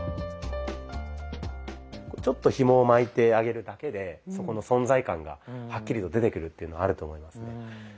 ちょっとひもを巻いてあげるだけでそこの存在感がはっきりと出てくるっていうのはあると思いますね。